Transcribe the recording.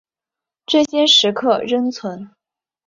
这些石刻仍存。